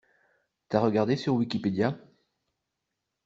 T'as regardé sur wikipedia?